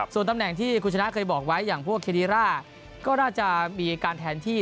ส่วนตำแหน่งที่คุณชนะเคยบอกไว้อย่างพวกเครีร่าก็น่าจะมีการแทนที่